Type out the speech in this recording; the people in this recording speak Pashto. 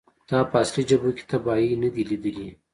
تا په اصلي جبهو کې تباهۍ نه دي لیدلې